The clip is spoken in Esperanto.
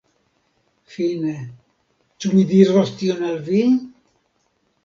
Fine, ĉu mi diros tion al vi?